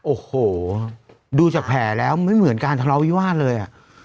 โอ้โหดูจากแผลแล้วไม่เหมือนการทะเลาวิวาสเลยอ่ะ